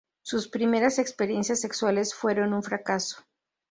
Sus primeras experiencias sexuales fueron un fracaso.